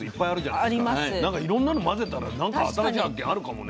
なんかいろんなの混ぜたら何か新しい発見あるかもね。